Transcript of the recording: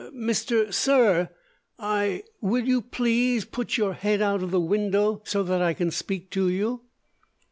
Mr. sir I will you please put your head out of the window so that I can speak to you?"